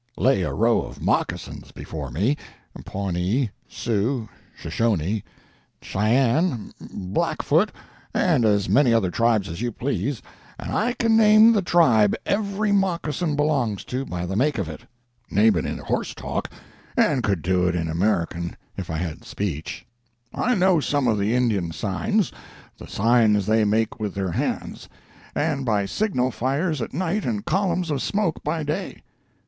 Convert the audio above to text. Lay a row of moccasins before me—Pawnee, Sioux, Shoshone, Cheyenne, Blackfoot, and as many other tribes as you please—and I can name the tribe every moccasin belongs to by the make of it. Name it in horse talk, and could do it in American if I had speech. I know some of the Indian signs—the signs they make with their hands, and by signal fires at night and columns of smoke by day.